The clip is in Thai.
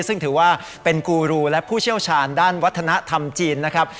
ซึ่งถือว่าเป็นกูรูและผู้เชี่ยวชาญด้านวัฒนธรรมจีนนะครับ